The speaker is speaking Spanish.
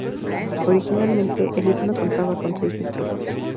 Originalmente el himno contaba con seis estrofas.